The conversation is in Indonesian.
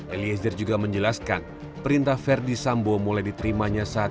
eliezer juga menjelaskan perintah verdi sambo mulai diterimanya saat